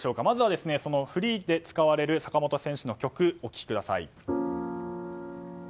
まずはフリーで使われる坂本選手の曲、お聞きください。